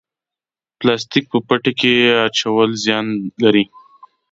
پلاستیک په پټي کې اچول زیان لري؟